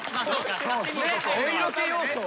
お色気要素を。